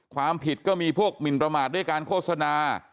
ความผิดก็มีพวกหมินประมาทด้วยการโฆษณา